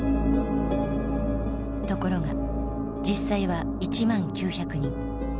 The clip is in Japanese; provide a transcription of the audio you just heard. ところが実際は１万９００人。